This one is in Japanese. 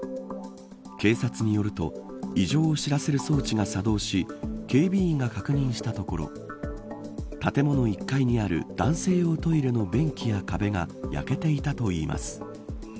警察によると異常を知らせる装置が作動し警備員が確認したところ建物１階にある男性用トイレの便器や壁が焼けていたといいます。